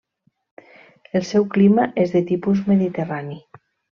El seu clima és de tipus mediterrani.